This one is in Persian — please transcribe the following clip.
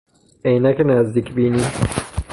عینک نزدیک بینی